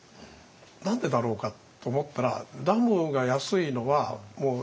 何でだろうかと思ったらダムが安いのはもう